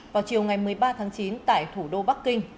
vào chiều ngày một mươi ba tháng chín tại thủ đô bắc kinh